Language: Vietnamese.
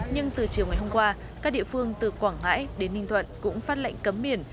nhưng từ chiều ngày hôm qua các địa phương từ quảng ngãi đến ninh thuận cũng phát lệnh cấm biển